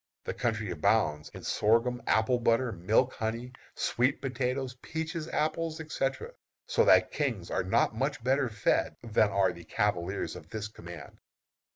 The country abounds with sorghum, apple butter, milk, honey, sweet potatoes, peaches, apples, etc.; so that kings are not much better fed than are the cavaliers of this command.